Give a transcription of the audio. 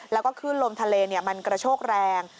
แล้วก็ขึ้นลมทะเลมันกระโชกแรง